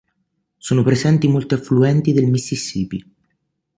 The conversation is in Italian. Sono presenti molti affluenti del Mississippi.